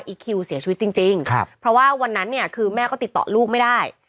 อีกคิวเสียชีวิตจริงครับเพราะว่าวันนั้นเนี่ยคือแม่ก็ติดต่อลูกไม่ได้